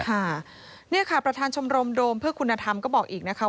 ค่ะนี่ค่ะประธานชมรมโดมเพื่อคุณธรรมก็บอกอีกนะคะ